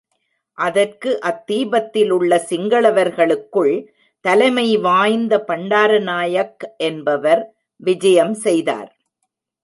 அதற்கு அத்தீபத்திலுள்ள சிங்களவர்களுக்குள் தலைமை வாய்ந்த பண்டாரநாயக் என்பவர் விஜயம் செய்தார்.